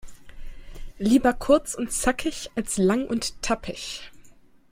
Lieber kurz und zackig als lang und tappig.